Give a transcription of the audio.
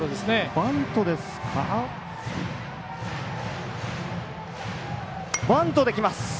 バントできます。